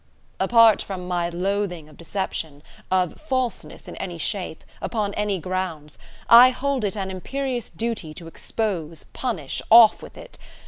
"Apart from my loathing of deception, of falseness in any shape, upon any grounds, I hold it an imperious duty to expose, punish, off with it.